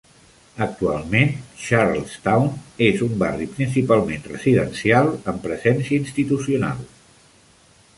Actualment, Charlestown és un barri principalment residencial amb presència institucional.